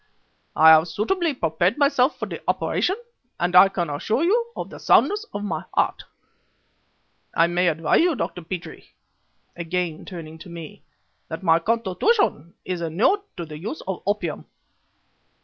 I have suitably prepared myself for the operation, and I can assure you of the soundness of my heart. I may advise you, Dr. Petrie" again turning to me "that my constitution is inured to the use of opium.